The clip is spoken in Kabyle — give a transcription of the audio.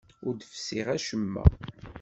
Ur d-fessiɣ acemma.